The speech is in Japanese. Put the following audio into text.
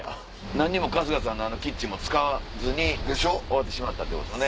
何も春日さんのキッチンも使わず終わってしまったってことね。